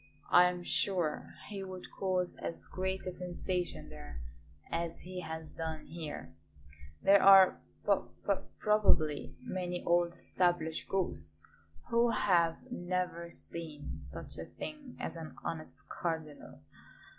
I am sure he would cause as great a sensation there as he has done here; there are p p probably many old established ghosts who have never seen such a thing as an honest cardinal.